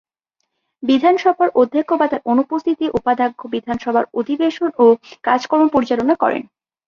বিধানসভার অধ্যক্ষ বা তার অনুপস্থিতিতে উপাধ্যক্ষ বিধানসভার অধিবেশন ও কাজকর্ম পরিচালনা করেন।